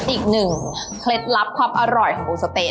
เคล็ดลับความอร่อยของหมูสะเต๊